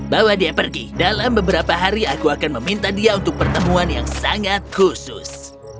bawa dia pergi dalam beberapa hari aku akan meminta dia untuk pertemuan yang sangat khusus